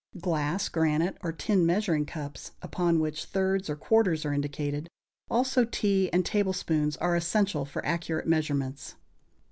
Glass, granite or tin measuring cups, upon which thirds or quarters are indicated, also tea and tablespoons, are essential for accurate measurements.